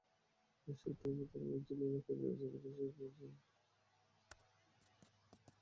সূত্রমতে, পূর্বাঞ্চলীয় এলাকাসহ রাজধানীর কিছু অংশের পয়োবর্জ্য পরিশোধন সম্ভব হবে প্রকল্পটি বাস্তবায়িত হলে।